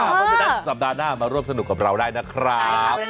อ่าสัปดาห์หน้ามาร่วมสนุกกับเราได้นะครับ